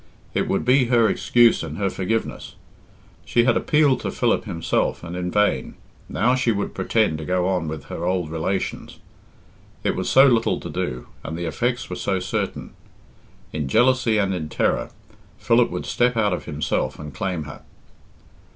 It would be her excuse and her forgiveness. She had appealed to Philip himself and in vain. Now she would pretend to go on with her old relations. It was so little to do, and the effects were so certain. In jealousy and in terror Philip would step out of himself and claim her.